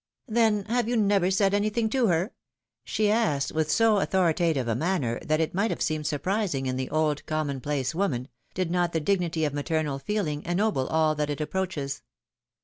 ^^Then, have you never said anything to her?^^ she asked, with so authoritative a manner that it might have seemed surprising in the old, common place woman, did not the dignity of maternal feeling ennoble all that it approaches.